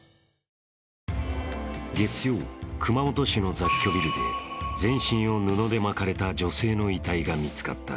月曜、熊本市の雑居ビルで全身を布で巻かれた女性の遺体が見つかった。